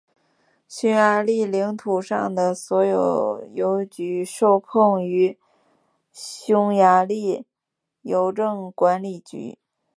匈牙利领土上的所有邮局受控于匈牙利邮政管理局。